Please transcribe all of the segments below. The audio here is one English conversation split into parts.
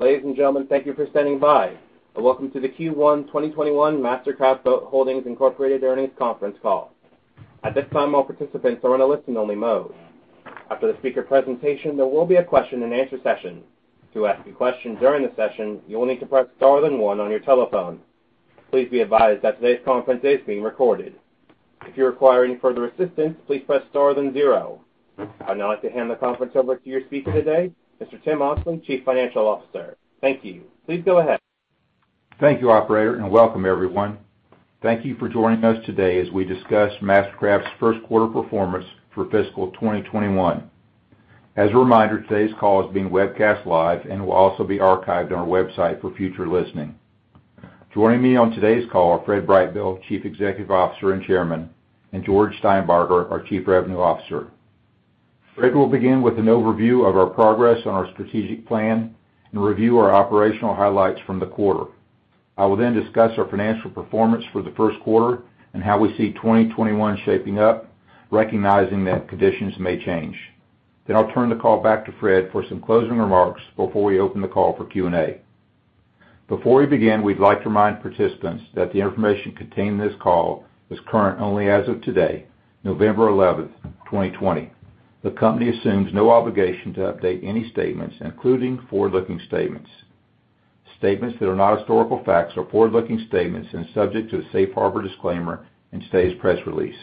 Ladies and gentlemen, thank you for standing by, and welcome to the Q1 2021 MasterCraft Boat Holdings, Inc. earnings conference call. I'd now like to hand the conference over to your speaker today, Mr. Tim Oxley, Chief Financial Officer. Thank you. Please go ahead. Thank you, operator, and welcome everyone. Thank you for joining us today as we discuss MasterCraft's first quarter performance for fiscal 2021. As a reminder, today's call is being webcast live and will also be archived on our website for future listening. Joining me on today's call are Fred Brightbill, Chief Executive Officer and Chairman, and George Steinbarger, our Chief Revenue Officer. Fred will begin with an overview of our progress on our strategic plan and review our operational highlights from the quarter. I will then discuss our financial performance for the first quarter and how we see 2021 shaping up, recognizing that conditions may change. I'll turn the call back to Fred for some closing remarks before we open the call for Q&A. Before we begin, we'd like to remind participants that the information contained in this call is current only as of today, November 11, 2020. The company assumes no obligation to update any statements, including forward-looking statements. Statements that are not historical facts are forward-looking statements and subject to the safe harbor disclaimer in today's press release.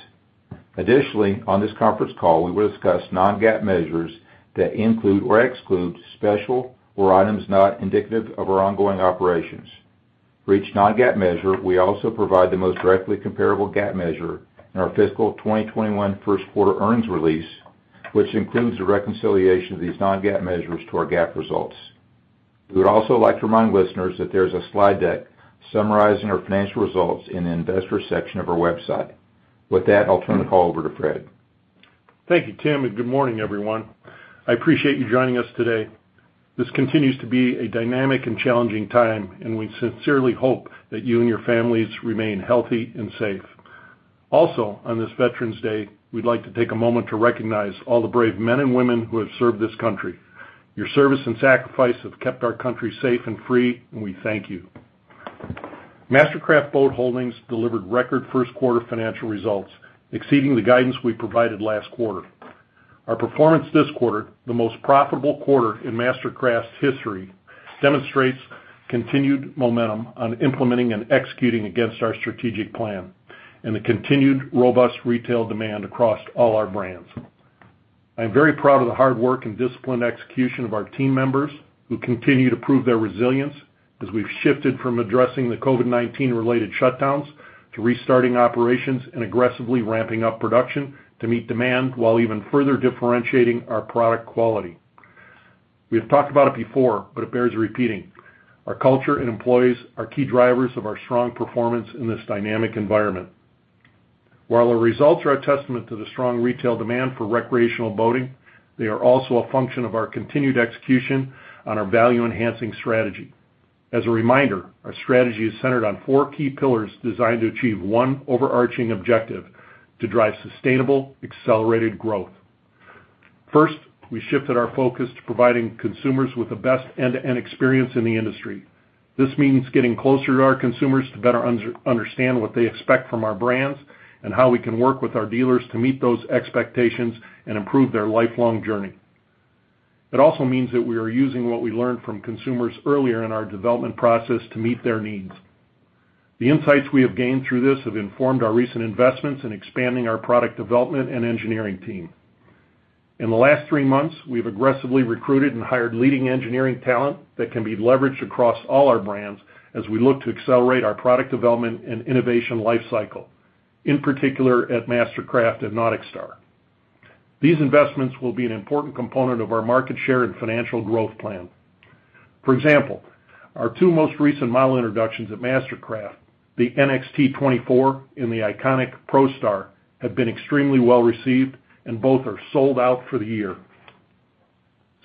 Additionally, on this conference call, we will discuss non-GAAP measures that include or exclude special or items not indicative of our ongoing operations. For each non-GAAP measure, we also provide the most directly comparable GAAP measure in our fiscal 2021 first quarter earnings release, which includes a reconciliation of these non-GAAP measures to our GAAP results. We would also like to remind listeners that there's a slide deck summarizing our financial results in the investor section of our website. With that, I'll turn the call over to Fred. Thank you, Tim, and good morning, everyone. I appreciate you joining us today. This continues to be a dynamic and challenging time, and we sincerely hope that you and your families remain healthy and safe. Also, on this Veterans Day, we'd like to take a moment to recognize all the brave men and women who have served this country. Your service and sacrifice have kept our country safe and free, and we thank you. MasterCraft Boat Holdings delivered record first quarter financial results exceeding the guidance we provided last quarter. Our performance this quarter, the most profitable quarter in MasterCraft's history, demonstrates continued momentum on implementing and executing against our strategic plan and the continued robust retail demand across all our brands. I am very proud of the hard work and disciplined execution of our team members who continue to prove their resilience as we've shifted from addressing the COVID-19 related shutdowns to restarting operations and aggressively ramping up production to meet demand while even further differentiating our product quality. We have talked about it before, but it bears repeating. Our culture and employees are key drivers of our strong performance in this dynamic environment. While our results are a testament to the strong retail demand for recreational boating, they are also a function of our continued execution on our value-enhancing strategy. As a reminder, our strategy is centered on four key pillars designed to achieve one overarching objective: to drive sustainable, accelerated growth. First, we shifted our focus to providing consumers with the best end-to-end experience in the industry. This means getting closer to our consumers to better understand what they expect from our brands and how we can work with our dealers to meet those expectations and improve their lifelong journey. It also means that we are using what we learned from consumers earlier in our development process to meet their needs. The insights we have gained through this have informed our recent investments in expanding our product development and engineering team. In the last three months, we've aggressively recruited and hired leading engineering talent that can be leveraged across all our brands as we look to accelerate our product development and innovation life cycle, in particular at MasterCraft and NauticStar. These investments will be an important component of our market share and financial growth plan. For example, our two most recent model introductions at MasterCraft, the NXT24 and the iconic ProStar, have been extremely well-received, and both are sold out for the year.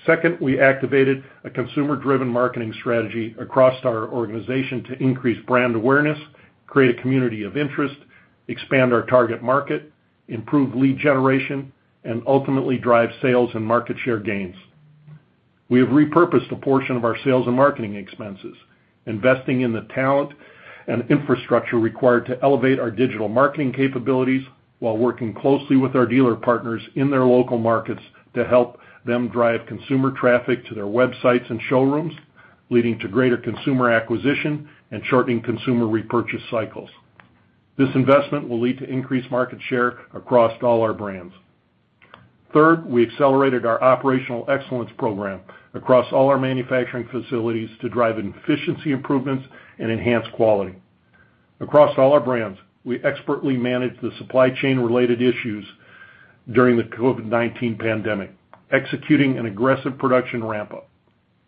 Second, we activated a consumer-driven marketing strategy across our organization to increase brand awareness, create a community of interest, expand our target market, improve lead generation, and ultimately drive sales and market share gains. We have repurposed a portion of our sales and marketing expenses, investing in the talent and infrastructure required to elevate our digital marketing capabilities while working closely with our dealer partners in their local markets to help them drive consumer traffic to their websites and showrooms, leading to greater consumer acquisition and shortening consumer repurchase cycles. This investment will lead to increased market share across all our brands. Third, we accelerated our operational excellence program across all our manufacturing facilities to drive efficiency improvements and enhance quality. Across all our brands, we expertly manage the supply chain related issues during the COVID-19 pandemic, executing an aggressive production ramp-up.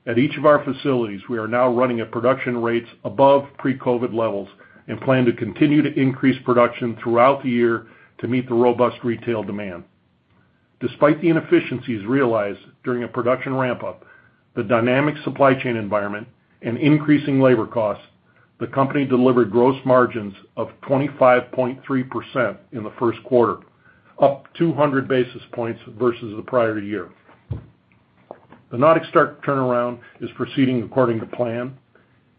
At each of our facilities, we are now running at production rates above pre-COVID levels and plan to continue to increase production throughout the year to meet the robust retail demand. Despite the inefficiencies realized during a production ramp-up, the dynamic supply chain environment, and increasing labor costs, the company delivered gross margins of 25.3% in the first quarter, up 200 basis points versus the prior year. The NauticStar turnaround is proceeding according to plan,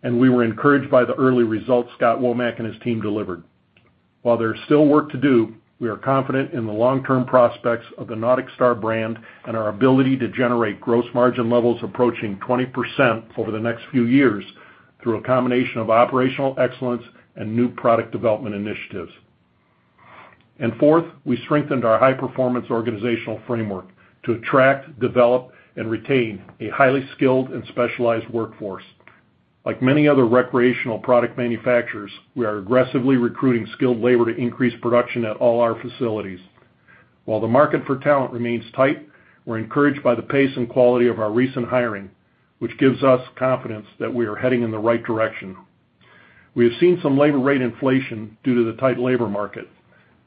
and we were encouraged by the early results Scott Womack and his team delivered. While there's still work to do, we are confident in the long-term prospects of the NauticStar brand and our ability to generate gross margin levels approaching 20% over the next few years through a combination of operational excellence and new product development initiatives. Fourth, we strengthened our high-performance organizational framework to attract, develop, and retain a highly skilled and specialized workforce. Like many other recreational product manufacturers, we are aggressively recruiting skilled labor to increase production at all our facilities. While the market for talent remains tight, we're encouraged by the pace and quality of our recent hiring, which gives us confidence that we are heading in the right direction. We have seen some labor rate inflation due to the tight labor market,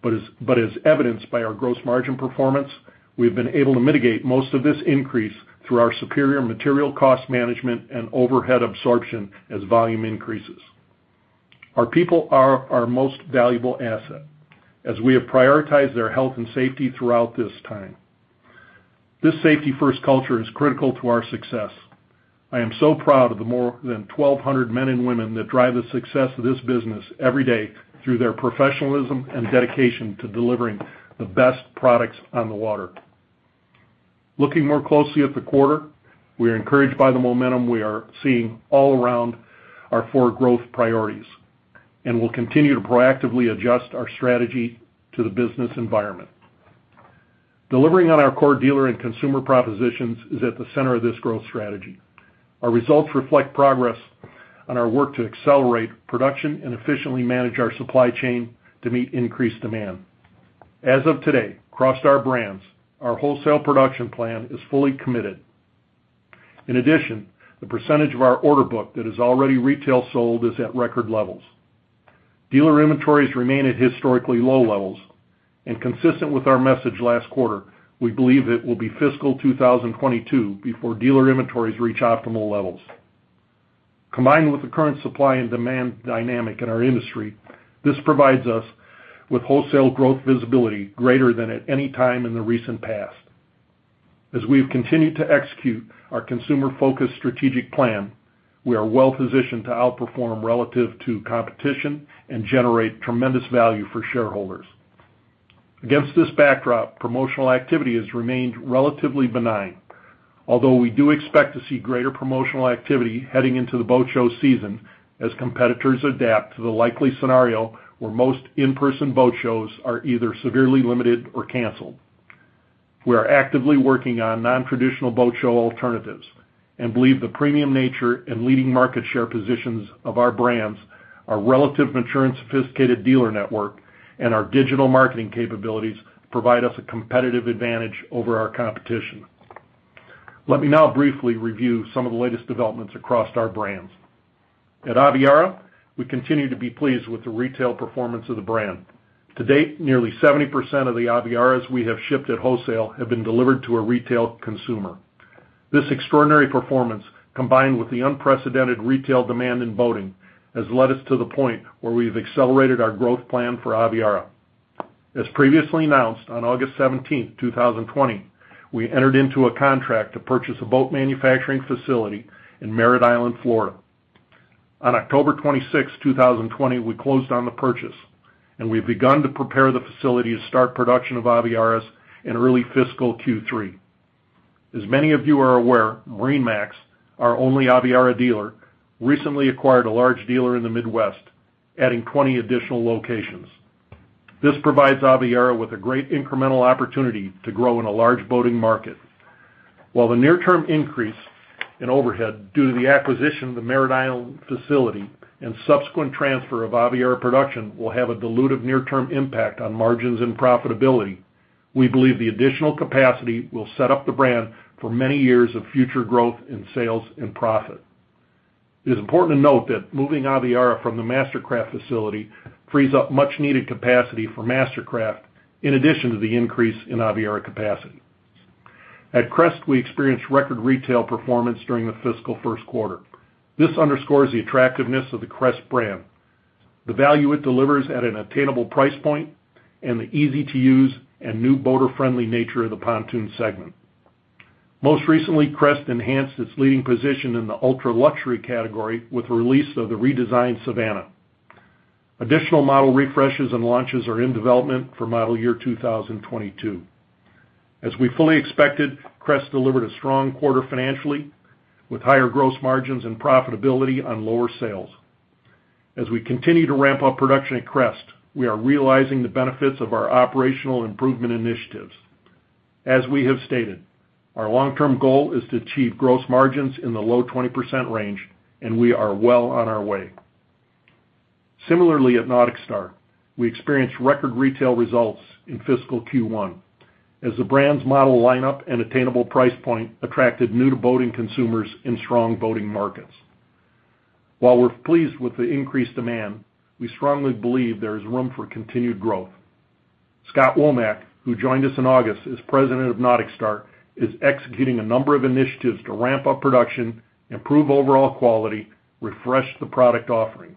but as evidenced by our gross margin performance, we've been able to mitigate most of this increase through our superior material cost management and overhead absorption as volume increases. Our people are our most valuable asset as we have prioritized their health and safety throughout this time. This safety-first culture is critical to our success. I am so proud of the more than 1,200 men and women that drive the success of this business every day through their professionalism and dedication to delivering the best products on the water. Looking more closely at the quarter, we are encouraged by the momentum we are seeing all around our four growth priorities, and we'll continue to proactively adjust our strategy to the business environment. Delivering on our core dealer and consumer propositions is at the center of this growth strategy. Our results reflect progress on our work to accelerate production and efficiently manage our supply chain to meet increased demand. As of today, across our brands, our wholesale production plan is fully committed. In addition, the percentage of our order book that is already retail sold is at record levels. Dealer inventories remain at historically low levels, and consistent with our message last quarter, we believe it will be fiscal 2022 before dealer inventories reach optimal levels. Combined with the current supply and demand dynamic in our industry, this provides us with wholesale growth visibility greater than at any time in the recent past. As we've continued to execute our consumer-focused strategic plan, we are well positioned to outperform relative to competition and generate tremendous value for shareholders. Against this backdrop, promotional activity has remained relatively benign, although we do expect to see greater promotional activity heading into the boat show season as competitors adapt to the likely scenario where most in-person boat shows are either severely limited or canceled. We are actively working on non-traditional boat show alternatives and believe the premium nature and leading market share positions of our brands, our relative mature and sophisticated dealer network, and our digital marketing capabilities provide us a competitive advantage over our competition. Let me now briefly review some of the latest developments across our brands. At Aviara, we continue to be pleased with the retail performance of the brand. To date, nearly 70% of the Aviaras we have shipped at wholesale have been delivered to a retail consumer. This extraordinary performance, combined with the unprecedented retail demand in boating, has led us to the point where we've accelerated our growth plan for Aviara. As previously announced on August 17, 2020, we entered into a contract to purchase a boat manufacturing facility in Merritt Island, Florida. On October 26, 2020, we closed on the purchase, and we've begun to prepare the facility to start production of Aviaras in early fiscal Q3. As many of you are aware, MarineMax, our only Aviara dealer, recently acquired a large dealer in the Midwest, adding 20 additional locations. This provides Aviara with a great incremental opportunity to grow in a large boating market. While the near-term increase in overhead due to the acquisition of the Merritt Island facility and subsequent transfer of Aviara production will have a dilutive near-term impact on margins and profitability, we believe the additional capacity will set up the brand for many years of future growth in sales and profit. It is important to note that moving Aviara from the MasterCraft facility frees up much-needed capacity for MasterCraft in addition to the increase in Aviara capacity. At Crest, we experienced record retail performance during the fiscal first quarter. This underscores the attractiveness of the Crest brand, the value it delivers at an attainable price point, and the easy-to-use and new boater-friendly nature of the pontoon segment. Most recently, Crest enhanced its leading position in the ultra-luxury category with the release of the redesigned Savannah. Additional model refreshes and launches are in development for model year 2022. As we fully expected, Crest delivered a strong quarter financially, with higher gross margins and profitability on lower sales. As we continue to ramp up production at Crest, we are realizing the benefits of our operational improvement initiatives. As we have stated, our long-term goal is to achieve gross margins in the low 20% range, and we are well on our way. Similarly at NauticStar, we experienced record retail results in fiscal Q1 as the brand's model lineup and attainable price point attracted new-to-boating consumers in strong boating markets. While we're pleased with the increased demand, we strongly believe there is room for continued growth. Scott Womack, who joined us in August as President of NauticStar, is executing a number of initiatives to ramp up production, improve overall quality, refresh the product offering.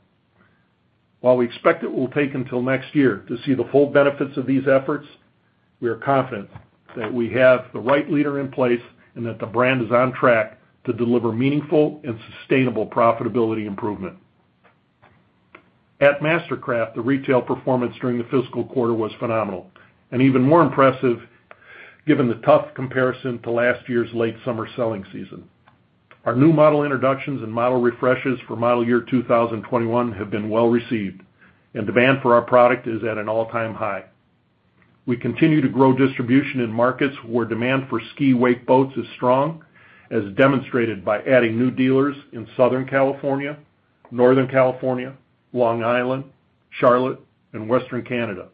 While we expect it will take until next year to see the full benefits of these efforts, we are confident that we have the right leader in place and that the brand is on track to deliver meaningful and sustainable profitability improvement. At MasterCraft, the retail performance during the fiscal quarter was phenomenal, and even more impressive given the tough comparison to last year's late summer selling season. Our new model introductions and model refreshes for model year 2021 have been well-received, and demand for our product is at an all-time high. We continue to grow distribution in markets where demand for ski/wake boats is strong, as demonstrated by adding new dealers in Southern California, Northern California, Long Island, Charlotte, and Western Canada.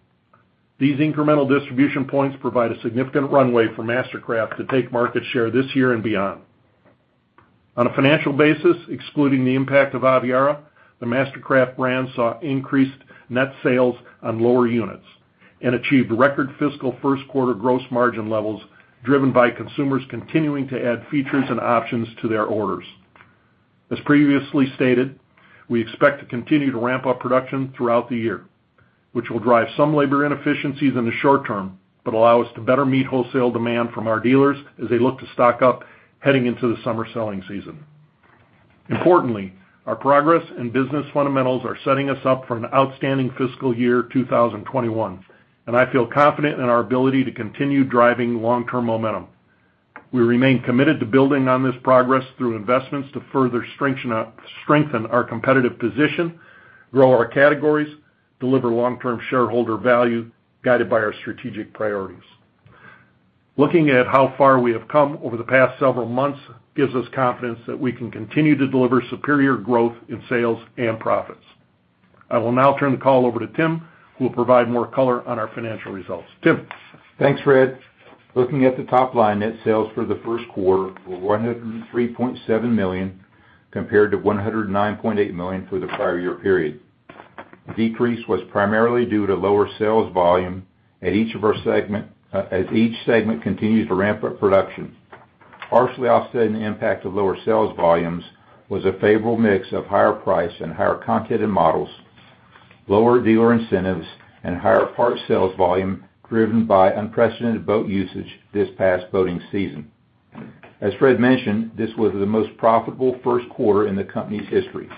These incremental distribution points provide a significant runway for MasterCraft to take market share this year and beyond. On a financial basis, excluding the impact of Aviara, the MasterCraft brand saw increased net sales on lower units and achieved record fiscal first quarter gross margin levels, driven by consumers continuing to add features and options to their orders. As previously stated, we expect to continue to ramp up production throughout the year, which will drive some labor inefficiencies in the short term, but allow us to better meet wholesale demand from our dealers as they look to stock up heading into the summer selling season. Importantly, our progress and business fundamentals are setting us up for an outstanding fiscal year 2021, and I feel confident in our ability to continue driving long-term momentum. We remain committed to building on this progress through investments to further strengthen our competitive position, grow our categories, deliver long-term shareholder value, guided by our strategic priorities. Looking at how far we have come over the past several months gives us confidence that we can continue to deliver superior growth in sales and profits. I will now turn the call over to Tim, who will provide more color on our financial results. Tim? Thanks, Fred. Looking at the top line, net sales for the first quarter were $103.7 million, compared to $109.8 million for the prior year period. The decrease was primarily due to lower sales volume as each segment continues to ramp up production. Partially offsetting the impact of lower sales volumes was a favorable mix of higher price and higher content in models, lower dealer incentives, and higher parts sales volume driven by unprecedented boat usage this past boating season. As Fred mentioned, this was the most profitable first quarter in the company's history.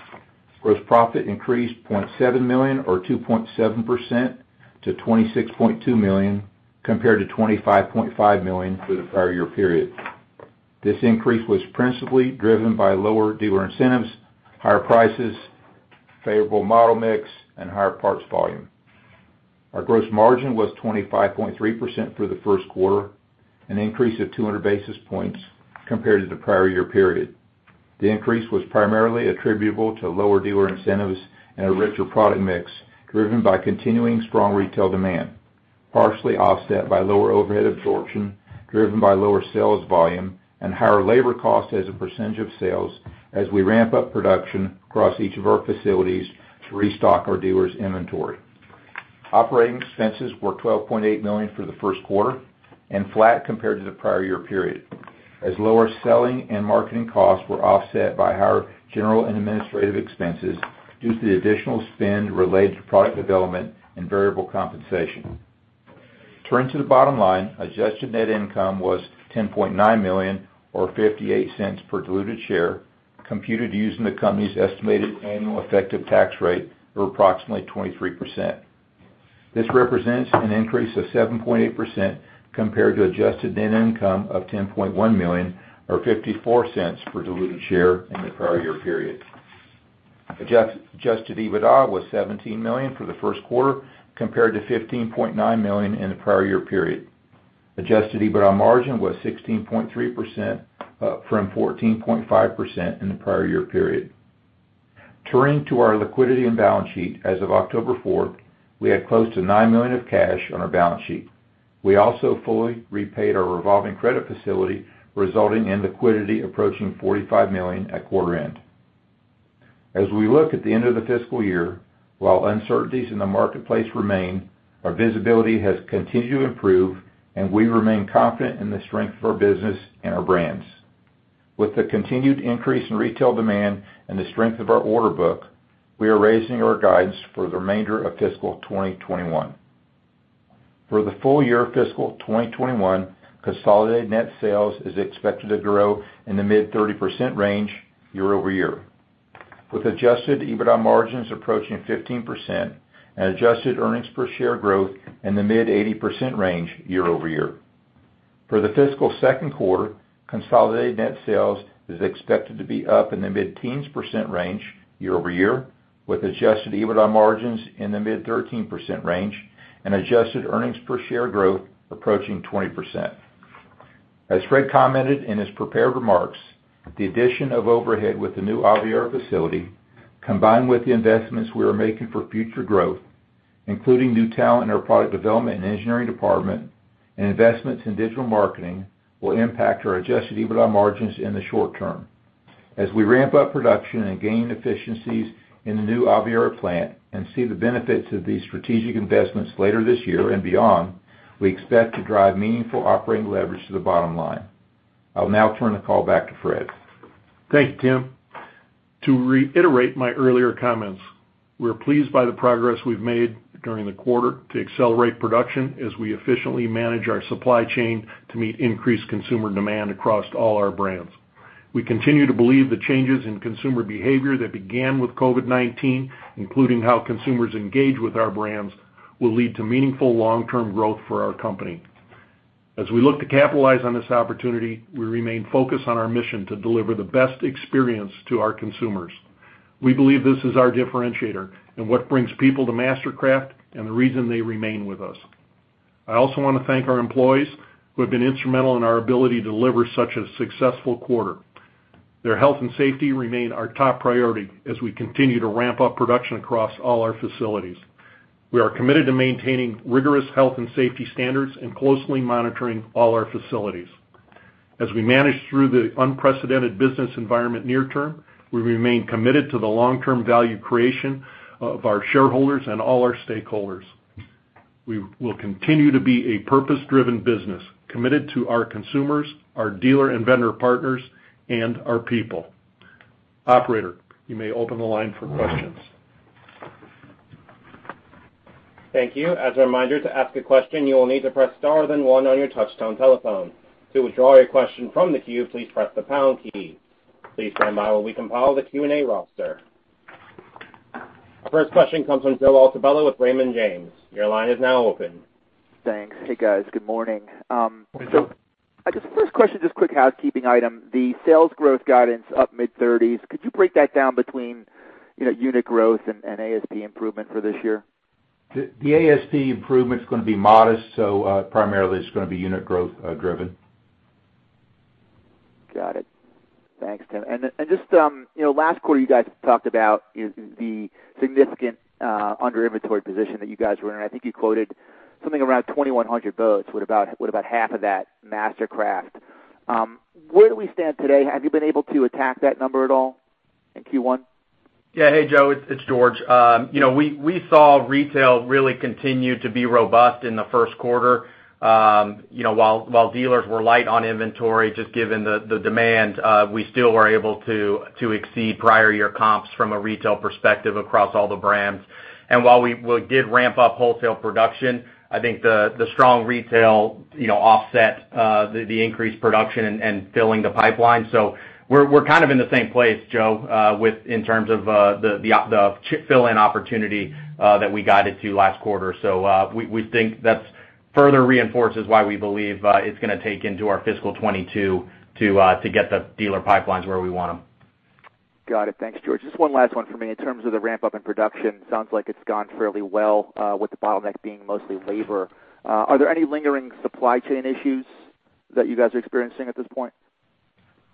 Gross profit increased $0.7 million or 2.7% to $26.2 million, compared to $25.5 million for the prior year period. This increase was principally driven by lower dealer incentives, higher prices, favorable model mix, and higher parts volume. Our gross margin was 25.3% for the first quarter, an increase of 200 basis points compared to the prior year period. The increase was primarily attributable to lower dealer incentives and a richer product mix driven by continuing strong retail demand, partially offset by lower overhead absorption driven by lower sales volume and higher labor cost as a percentage of sales as we ramp up production across each of our facilities to restock our dealers' inventory. Operating expenses were $12.8 million for the first quarter and flat compared to the prior year period, as lower selling and marketing costs were offset by higher general and administrative expenses due to the additional spend related to product development and variable compensation. Turning to the bottom line, adjusted net income was $10.9 million or $0.58 per diluted share, computed using the company's estimated annual effective tax rate of approximately 23%. This represents an increase of 7.8% compared to adjusted net income of $10.1 million or $0.54 per diluted share in the prior year period. Adjusted EBITDA was $17 million for the first quarter compared to $15.9 million in the prior year period. Adjusted EBITDA margin was 16.3%, up from 14.5% in the prior year period. Turning to our liquidity and balance sheet, as of October 4, we had close to $9 million of cash on our balance sheet. We also fully repaid our revolving credit facility, resulting in liquidity approaching $45 million at quarter end. As we look at the end of the fiscal year, while uncertainties in the marketplace remain, our visibility has continued to improve, and we remain confident in the strength of our business and our brands. With the continued increase in retail demand and the strength of our order book, we are raising our guidance for the remainder of fiscal 2021. For the full year of fiscal 2021, consolidated net sales is expected to grow in the mid-30% range year-over-year, with adjusted EBITDA margins approaching 15% and adjusted earnings per share growth in the mid-80% range year-over-year. For the fiscal second quarter, consolidated net sales is expected to be up in the mid-teens percent range year-over-year, with adjusted EBITDA margins in the mid-13% range and adjusted earnings per share growth approaching 20%. As Fred commented in his prepared remarks, the addition of overhead with the new Aviara facility, combined with the investments we are making for future growth, including new talent in our product development and engineering department and investments in digital marketing, will impact our adjusted EBITDA margins in the short term. As we ramp up production and gain efficiencies in the new Aviara plant and see the benefits of these strategic investments later this year and beyond, we expect to drive meaningful operating leverage to the bottom line. I'll now turn the call back to Fred. Thank you, Tim. To reiterate my earlier comments, we're pleased by the progress we've made during the quarter to accelerate production as we efficiently manage our supply chain to meet increased consumer demand across all our brands. We continue to believe the changes in consumer behavior that began with COVID-19, including how consumers engage with our brands, will lead to meaningful long-term growth for our company. As we look to capitalize on this opportunity, we remain focused on our mission to deliver the best experience to our consumers. We believe this is our differentiator and what brings people to MasterCraft and the reason they remain with us. I also want to thank our employees who have been instrumental in our ability to deliver such a successful quarter. Their health and safety remain our top priority as we continue to ramp up production across all our facilities. We are committed to maintaining rigorous health and safety standards and closely monitoring all our facilities. As we manage through the unprecedented business environment near term, we remain committed to the long-term value creation of our shareholders and all our stakeholders. We will continue to be a purpose-driven business, committed to our consumers, our dealer and vendor partners, and our people. Operator, you may open the line for questions. Thank you. As a reminder, to ask a question, you will need to press star then one on your touch-tone telephone. To withdraw your question from the queue, please press the pound key. Please stand by while we compile the Q&A roster. Our first question comes from Joe Altobello with Raymond James. Your line is now open. Thanks. Hey, guys. Good morning. Good morning. I guess first question, just quick housekeeping item, the sales growth guidance up mid-30s, could you break that down between unit growth and ASP improvement for this year? The ASP improvement's going to be modest, so primarily it's going to be unit growth driven. Got it. Thanks, Tim. Just last quarter you guys talked about the significant under-inventory position that you guys were in. I think you quoted something around 2,100 boats, with about half of that MasterCraft. Where do we stand today? Have you been able to attack that number at all in Q1? Yeah. Hey, Joe. It's George. We saw retail really continue to be robust in the first quarter. While dealers were light on inventory, just given the demand, we still were able to exceed prior year comps from a retail perspective across all the brands. While we did ramp up wholesale production, I think the strong retail offset the increased production and filling the pipeline. We're kind of in the same place, Joe, in terms of the fill-in opportunity that we guided to last quarter. We think that further reinforces why we believe it's going to take into our fiscal 2022 to get the dealer pipelines where we want them. Got it. Thanks, George. Just one last one from me. In terms of the ramp-up in production, sounds like it's gone fairly well with the bottleneck being mostly labor. Are there any lingering supply chain issues that you guys are experiencing at this point?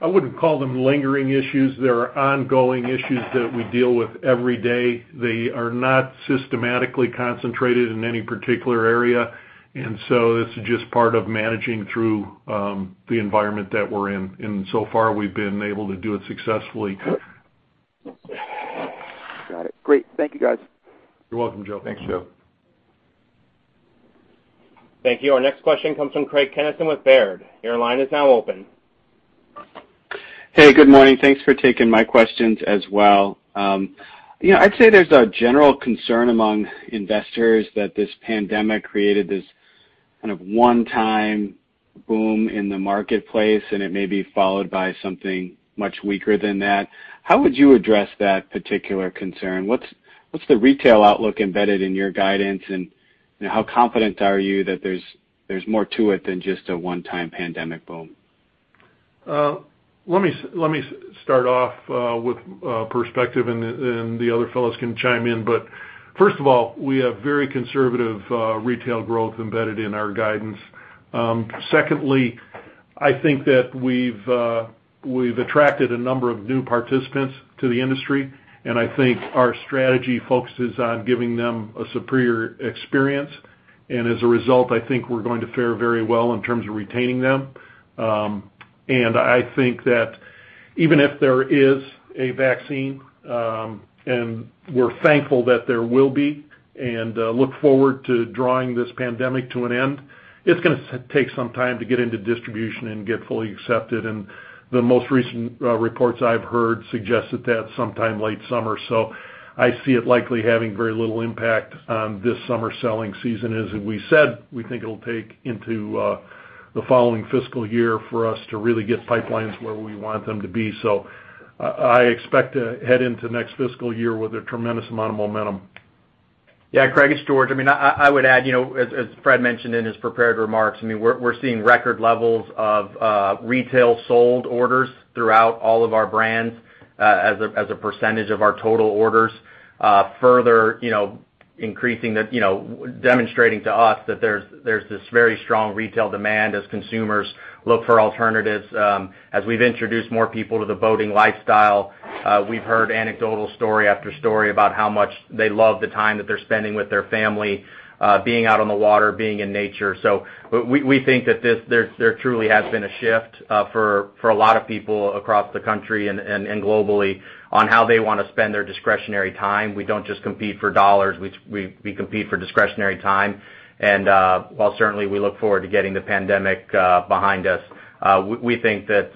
I wouldn't call them lingering issues. They are ongoing issues that we deal with every day. They are not systematically concentrated in any particular area, and so it's just part of managing through the environment that we're in. So far, we've been able to do it successfully. Got it. Great. Thank you guys. You're welcome, Joe. Thanks, Joe. Thank you. Our next question comes from Craig Kennison with Baird. Your line is now open. Hey, good morning. Thanks for taking my questions as well. I'd say there's a general concern among investors that this pandemic created this kind of one-time boom in the marketplace, and it may be followed by something much weaker than that. How would you address that particular concern? What's the retail outlook embedded in your guidance, and how confident are you that there's more to it than just a one-time pandemic boom? Let me start off with perspective and the other fellows can chime in. First of all, we have very conservative retail growth embedded in our guidance. Secondly, I think that we've attracted a number of new participants to the industry, and I think our strategy focuses on giving them a superior experience. As a result, I think we're going to fare very well in terms of retaining them. I think that even if there is a vaccine, and we're thankful that there will be and look forward to drawing this pandemic to an end, it's going to take some time to get into distribution and get fully accepted. The most recent reports I've heard suggest that that's sometime late summer. I see it likely having very little impact on this summer selling season. As we said, we think it'll take into the following fiscal year for us to really get pipelines where we want them to be. I expect to head into next fiscal year with a tremendous amount of momentum. Craig, it's George. I would add, as Fred mentioned in his prepared remarks, we're seeing record levels of retail sold orders throughout all of our brands as a percentage of our total orders further demonstrating to us that there's this very strong retail demand as consumers look for alternatives. As we've introduced more people to the boating lifestyle, we've heard anecdotal story after story about how much they love the time that they're spending with their family being out on the water, being in nature. We think that there truly has been a shift for a lot of people across the country and globally on how they want to spend their discretionary time. We don't just compete for dollars, we compete for discretionary time. While certainly we look forward to getting the pandemic behind us, we think that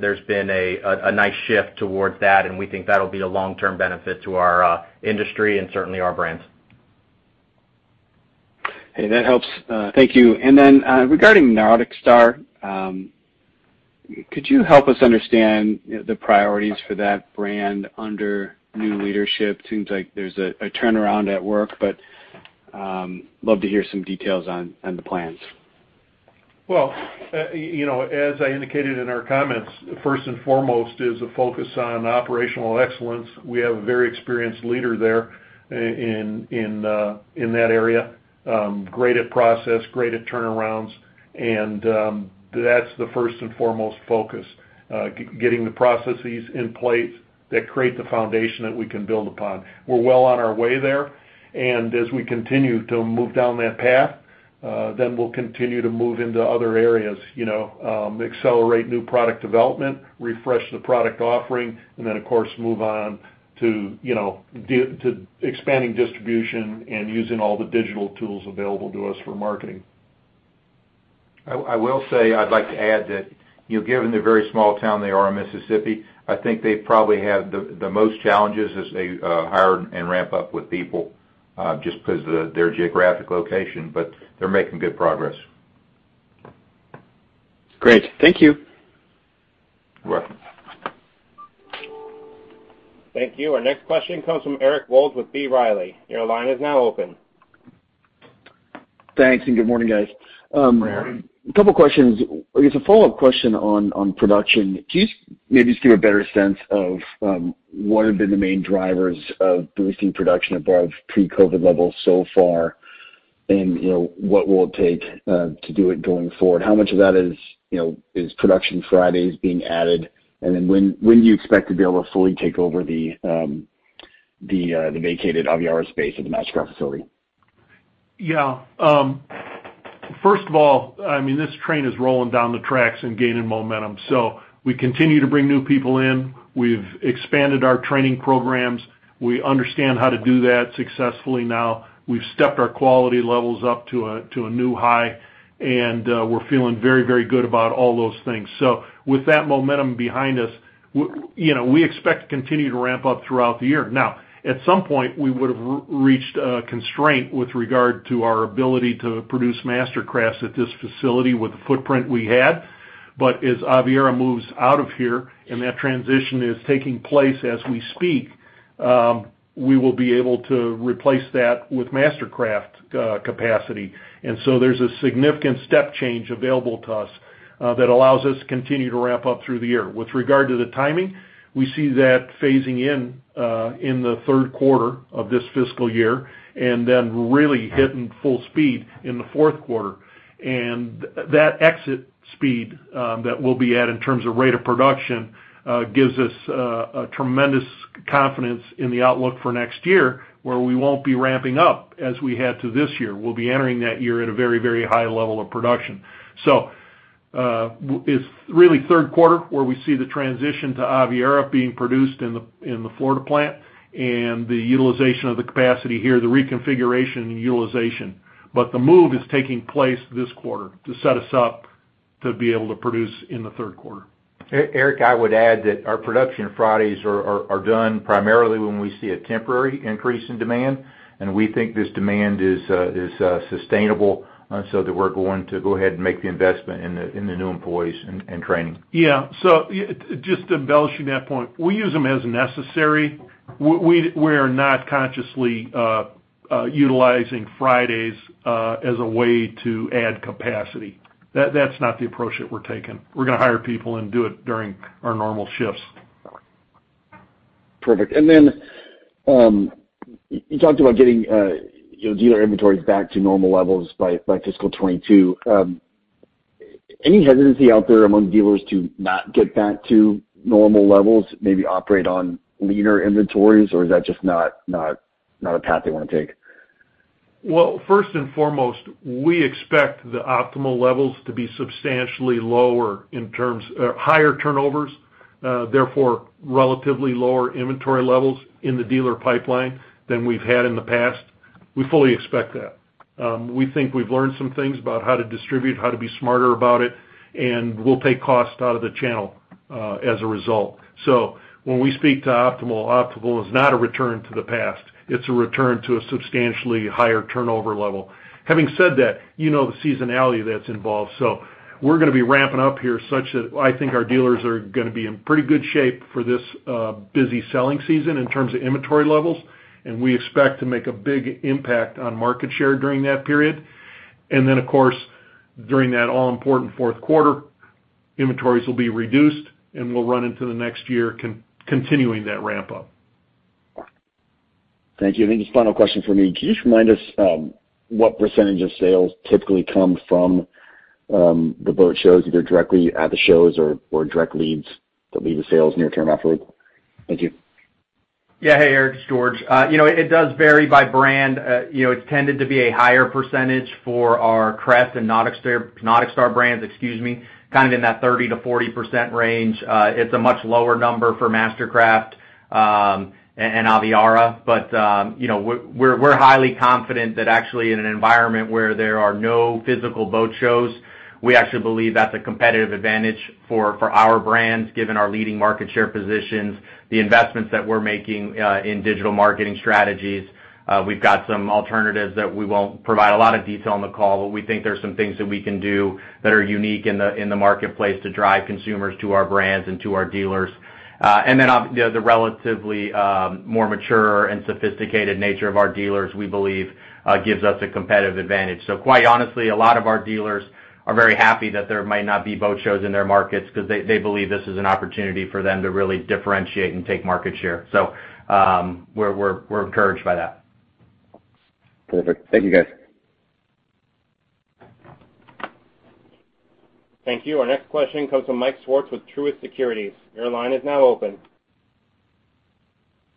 there's been a nice shift towards that, and we think that'll be a long-term benefit to our industry and certainly our brands. Hey, that helps. Thank you. Regarding NauticStar, could you help us understand the priorities for that brand under new leadership? Seems like there's a turnaround at work, love to hear some details on the plans. Well, as I indicated in our comments, first and foremost is a focus on operational excellence. We have a very experienced leader there in that area. Great at process, great at turnarounds, and that's the first and foremost focus, getting the processes in place that create the foundation that we can build upon. We're well on our way there, and as we continue to move down that path, then we'll continue to move into other areas. Accelerate new product development, refresh the product offering, and then of course, move on to expanding distribution and using all the digital tools available to us for marketing. I will say, I'd like to add that, given the very small town they are in Mississippi, I think they probably have the most challenges as they hire and ramp up with people, just because of their geographic location. They're making good progress. Great. Thank you. You're welcome. Thank you. Our next question comes from Eric Wold with B. Riley. Your line is now open. Thanks, and good morning, guys. Good morning. A couple questions. I guess a follow-up question on production. Can you maybe just give a better sense of what have been the main drivers of boosting production above pre-COVID levels so far? What will it take to do it going forward? How much of that is production Fridays being added? When do you expect to be able to fully take over the vacated Aviara space at the MasterCraft facility? Yeah. First of all, this train is rolling down the tracks and gaining momentum. We continue to bring new people in. We've expanded our training programs. We understand how to do that successfully now. We've stepped our quality levels up to a new high, and we're feeling very good about all those things. With that momentum behind us, we expect to continue to ramp up throughout the year. Now, at some point, we would've reached a constraint with regard to our ability to produce MasterCrafts at this facility with the footprint we had. As Aviara moves out of here, and that transition is taking place as we speak, we will be able to replace that with MasterCraft capacity. There's a significant step change available to us that allows us to continue to ramp up through the year. With regard to the timing, we see that phasing in the third quarter of this fiscal year, then really hitting full speed in the fourth quarter. That exit speed that we'll be at in terms of rate of production, gives us tremendous confidence in the outlook for next year, where we won't be ramping up as we had to this year. We'll be entering that year at a very high level of production. It's really third quarter where we see the transition to Aviara being produced in the Florida plant and the utilization of the capacity here, the reconfiguration and utilization. The move is taking place this quarter to set us up to be able to produce in the third quarter. Eric, I would add that our Production Fridays are done primarily when we see a temporary increase in demand, and we think this demand is sustainable, so that we're going to go ahead and make the investment in the new employees and training. Yeah. Just embellishing that point, we use them as necessary. We are not consciously utilizing Fridays as a way to add capacity. That's not the approach that we're taking. We're going to hire people and do it during our normal shifts. Perfect. You talked about getting dealer inventories back to normal levels by fiscal 2022. Any hesitancy out there among dealers to not get back to normal levels, maybe operate on leaner inventories, or is that just not a path they want to take? Well, first and foremost, we expect the optimal levels to be substantially lower in terms higher turnovers, therefore relatively lower inventory levels in the dealer pipeline than we've had in the past. We fully expect that. We think we've learned some things about how to distribute, how to be smarter about it, and we'll take cost out of the channel as a result. When we speak to optimal is not a return to the past. It's a return to a substantially higher turnover level. Having said that, you know the seasonality that's involved. We're going to be ramping up here such that I think our dealers are going to be in pretty good shape for this busy selling season in terms of inventory levels, and we expect to make a big impact on market share during that period. Of course, during that all-important fourth quarter, inventories will be reduced, and we'll run into the next year continuing that ramp-up. Thank you. I think this is the final question from me. Can you just remind us what percent of sales typically come from the boat shows, either directly at the shows or direct leads that lead to sales near-term afterward? Thank you. Yeah. Hey, Eric, it's George. It does vary by brand. It's tended to be a higher percentage for our Crest and NauticStar brands, excuse me, kind of in that 30% to 40% range. It's a much lower number for MasterCraft and Aviara. We're highly confident that actually in an environment where there are no physical boat shows, we actually believe that's a competitive advantage for our brands, given our leading market share positions, the investments that we're making in digital marketing strategies. We've got some alternatives that we won't provide a lot of detail on the call, we think there's some things that we can do that are unique in the marketplace to drive consumers to our brands and to our dealers. The relatively more mature and sophisticated nature of our dealers, we believe, gives us a competitive advantage. Quite honestly, a lot of our dealers are very happy that there might not be boat shows in their markets because they believe this is an opportunity for them to really differentiate and take market share. We're encouraged by that. Perfect. Thank you, guys. Thank you. Our next question comes from Michael Swartz with Truist Securities. Your line is now open.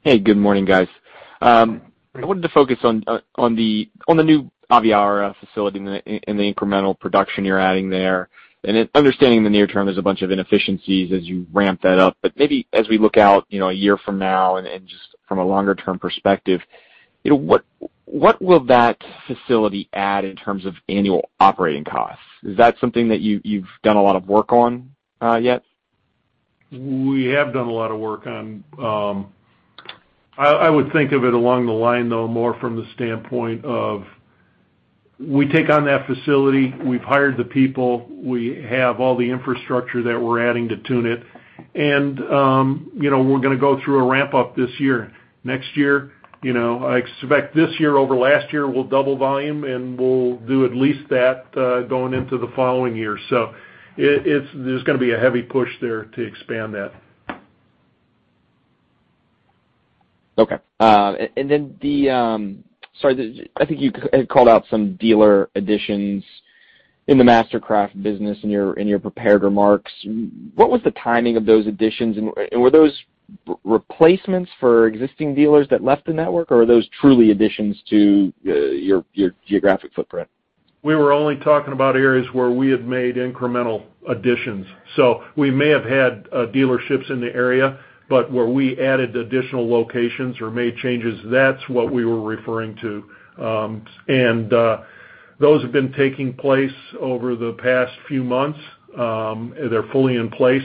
Hey, good morning, guys. I wanted to focus on the new Aviara facility and the incremental production you're adding there. Understanding in the near term, there's a bunch of inefficiencies as you ramp that up. Maybe as we look out a year from now and just from a longer-term perspective, what will that facility add in terms of annual operating costs? Is that something that you've done a lot of work on yet? We have done a lot of work on I would think of it along the line, though, more from the standpoint of we take on that facility, we've hired the people, we have all the infrastructure that we're adding to tune it, and we're going to go through a ramp-up this year. Next year, I expect this year over last year, we'll double volume and we'll do at least that, going into the following year. There's going to be a heavy push there to expand that. Okay. Then the, sorry, I think you had called out some dealer additions in the MasterCraft business in your prepared remarks. What was the timing of those additions? Were those replacements for existing dealers that left the network, or are those truly additions to your geographic footprint? We were only talking about areas where we had made incremental additions. We may have had dealerships in the area, but where we added additional locations or made changes, that's what we were referring to. Those have been taking place over the past few months. They're fully in place.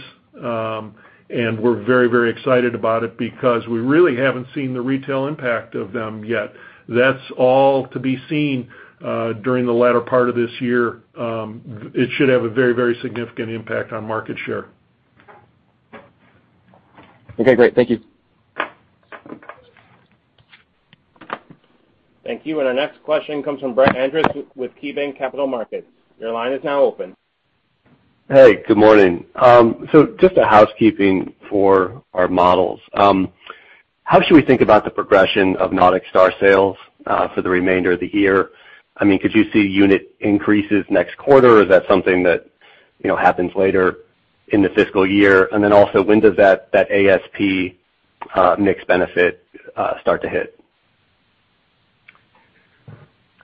We're very excited about it because we really haven't seen the retail impact of them yet. That's all to be seen during the latter part of this year. It should have a very significant impact on market share. Okay, great. Thank you. Thank you. Our next question comes from Brett Andress with KeyBanc Capital Markets. Hey, good morning. Just a housekeeping for our models. How should we think about the progression of NauticStar sales for the remainder of the year? I mean, could you see unit increases next quarter, or is that something that happens later in the fiscal year? When does that ASP mix benefit start to hit?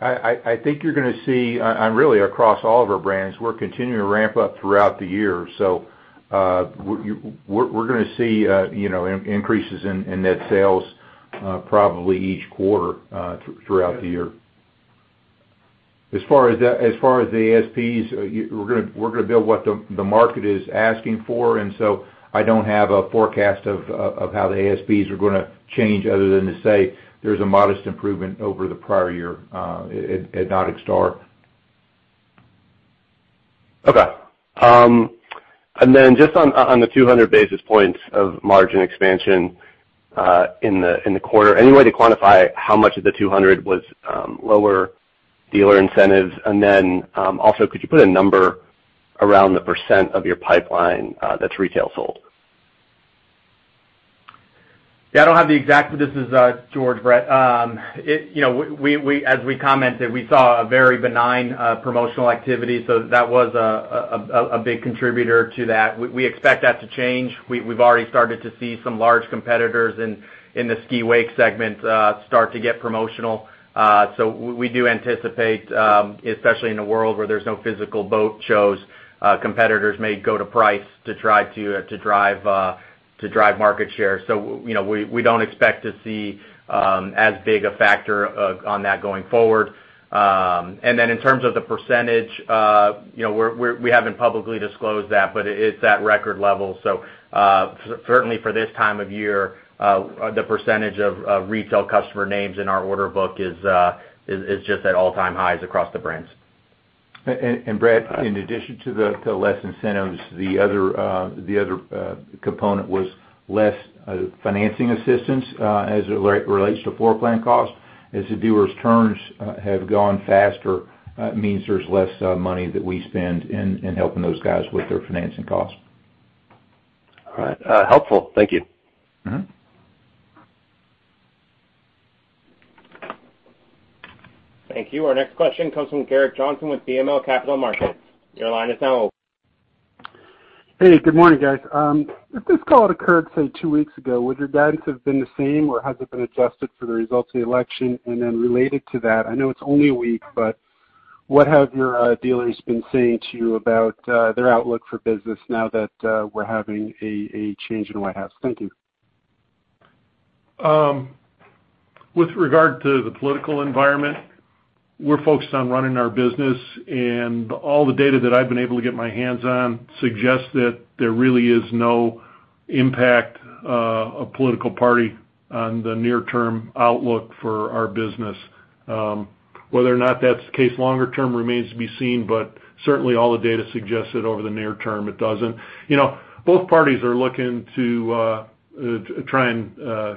I think you're going to see, really across all of our brands, we're continuing to ramp up throughout the year. We're going to see increases in net sales probably each quarter throughout the year. As far as the ASPs, we're going to build what the market is asking for, I don't have a forecast of how the ASPs are going to change other than to say there's a modest improvement over the prior year at NauticStar. Okay. Just on the 200 basis points of margin expansion in the quarter, any way to quantify how much of the 200 was lower dealer incentives? Also, could you put a number around the % of your pipeline that's retail sold? I don't have the exact, but this is George, Brett. As we commented, we saw a very benign promotional activity, so that was a big contributor to that. We expect that to change. We've already started to see some large competitors in the ski/wake segment start to get promotional. We do anticipate, especially in a world where there's no physical boat shows, competitors may go to price to try to drive market share. We don't expect to see as big a factor on that going forward. In terms of the percentage, we haven't publicly disclosed that, but it's at record levels. Certainly for this time of year, the percentage of retail customer names in our order book is just at all-time highs across the brands. Brett, in addition to the less incentives, the other component was less financing assistance as it relates to floor plan costs. As the dealers' turns have gone faster, it means there's less money that we spend in helping those guys with their financing costs. All right. Helpful. Thank you. Thank you. Our next question comes from Gerrick Johnson with BMO Capital Markets. Your line is now open. Hey, good morning, guys. If this call had occurred, say, two weeks ago, would your guidance have been the same, or has it been adjusted for the results of the election? Then related to that, I know it's only a week, but what have your dealers been saying to you about their outlook for business now that we're having a change in White House? Thank you. With regard to the political environment, we're focused on running our business, and all the data that I've been able to get my hands on suggests that there really is no impact of political party on the near-term outlook for our business. Whether or not that's the case longer term remains to be seen, but certainly all the data suggests that over the near term, it doesn't. Both parties are looking to try and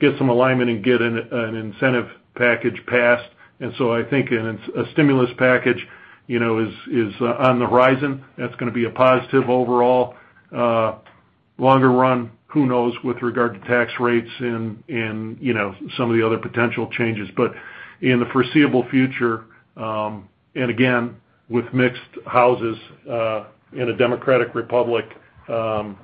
get some alignment and get an incentive package passed. I think a stimulus package is on the horizon. That's going to be a positive overall. Longer run, who knows with regard to tax rates and some of the other potential changes. In the foreseeable future, and again, with mixed houses in a democratic republic, our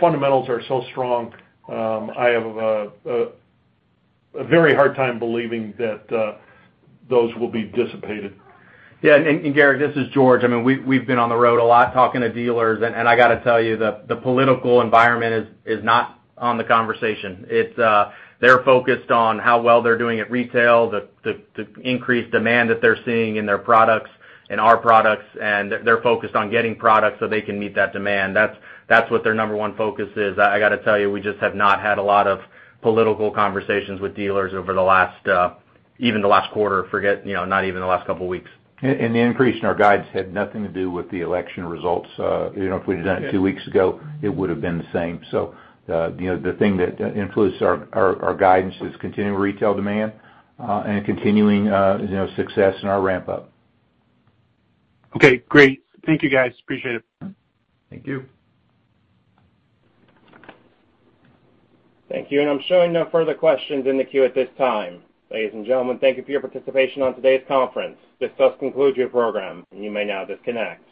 fundamentals are so strong I have a very hard time believing that those will be dissipated. Yeah. Gerrick, this is George. We've been on the road a lot talking to dealers, and I got to tell you, the political environment is not on the conversation. They're focused on how well they're doing at retail, the increased demand that they're seeing in their products, in our products, and they're focused on getting product so they can meet that demand. That's what their number one focus is. I got to tell you, we just have not had a lot of political conversations with dealers over even the last quarter, forget not even the last couple of weeks. The increase in our guides had nothing to do with the election results. If we'd done it two weeks ago, it would've been the same. The thing that influenced our guidance is continuing retail demand, and continuing success in our ramp up. Okay, great. Thank you, guys. Appreciate it. Thank you. Thank you. I'm showing no further questions in the queue at this time. Ladies and gentlemen, thank you for your participation on today's conference. This does conclude your program and you may now disconnect.